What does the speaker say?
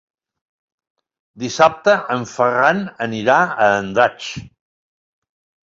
Dissabte en Ferran anirà a Andratx.